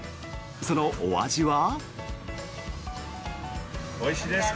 そのお味は。